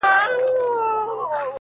سپوږميه کړنگ وهه راخېژه وايم،